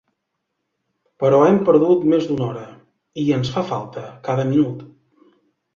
Però hem perdut més d'una hora, i ens fa falta cada minut!